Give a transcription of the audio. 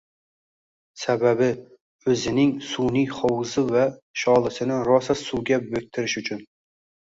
Sababi, o`zining sun`iy hovuzi va sholisini rosa suvga bo`ktirish uchun